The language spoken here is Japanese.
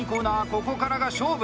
ここからが勝負。